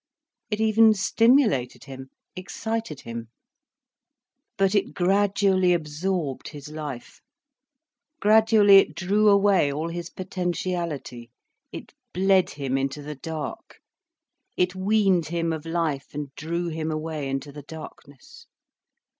It even stimulated him, excited him. But it gradually absorbed his life. Gradually it drew away all his potentiality, it bled him into the dark, it weaned him of life and drew him away into the darkness.